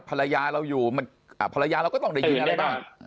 ภรรยาเราอยู่มันภรรยาก็ต้องได้ยินอะไรต่อ